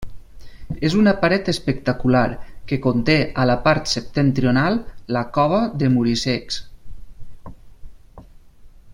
És una paret espectacular que conté, a la part septentrional, la Cova de Muricecs.